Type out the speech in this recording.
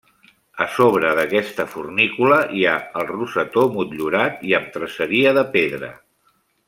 A sobre d'aquesta fornícula hi ha el rosetó, motllurat i amb traceria de pedra.